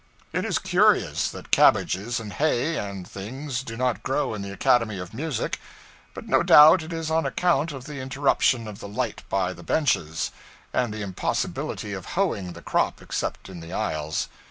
It is curious that cabbages and hay and things do not grow in the Academy of Music; but no doubt it is on account of the interruption of the light by the benches, and the impossibility of hoeing the crop except in the aisles.